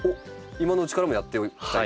今のうちからもやっておきたいこと。